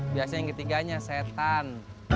biasanya yang ketiganya setan